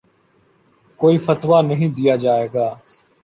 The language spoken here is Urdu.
کوئی فتویٰ نہیں دیا جائے گا